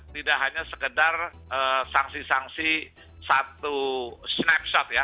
tidak hanya sekedar sanksi sanksi satu snapshot ya